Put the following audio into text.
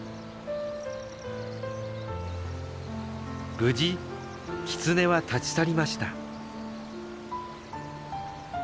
無事キツネは立ち去りました。